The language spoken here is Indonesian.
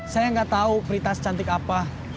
saya nggak tahu prita secantik apa